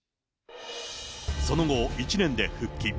その後、１年で復帰。